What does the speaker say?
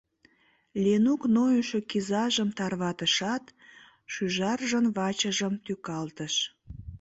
— Ленук нойышо кизажым тарватышат, шӱжаржын вачыжым тӱкалтыш.